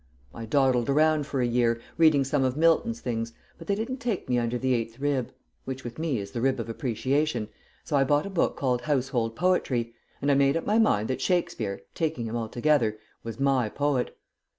I dawdled around for a year, reading some of Milton's things, but they didn't take me under the eighth rib, which with me is the rib of appreciation, so I bought a book called 'Household Poetry,' and I made up my mind that Shakespeare, taking him altogether, was my poet.